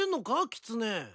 キツネ。